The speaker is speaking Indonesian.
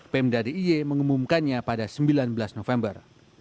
pemdadi iye mengumumkannya pada sembilan belas november